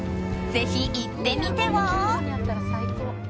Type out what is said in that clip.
ぜひ行ってみては。